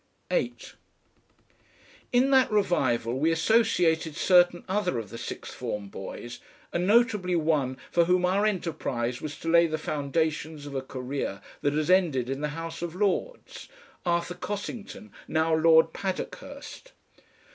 8 In that revival we associated certain other of the Sixth Form boys, and notably one for whom our enterprise was to lay the foundations of a career that has ended in the House of Lords, Arthur Cossington, now Lord Paddockhurst.